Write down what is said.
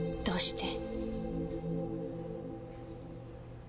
どうして？